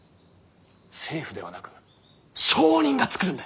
政府ではなく商人が作るんだ。